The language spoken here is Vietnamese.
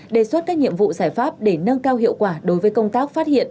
đề xuất các nhiệm vụ giải pháp để nâng cao hiệu quả đối với công tác phát hiện